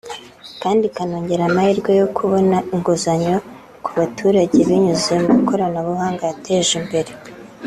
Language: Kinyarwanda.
kandi ikanongera amahirwe yo kubona inguzanyo ku baturage binyuze mu ikoranabuhanga yateje imbere